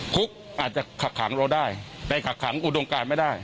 คุกอาจจะขักขังเราได้แต่ขักขังอุดมการไม่ได้